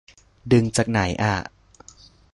ดึงจากไหนอ่ะ